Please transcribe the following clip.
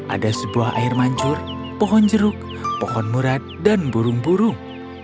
ada sebuah air mancur pohon jeruk pohon murad dan burung burung